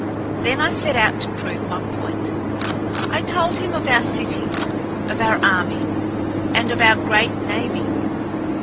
Then I set out to prove my point. I told him of our cities, of our army, of our great navy.